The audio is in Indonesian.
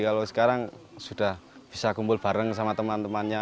kalau sekarang sudah bisa kumpul bareng sama temen temennya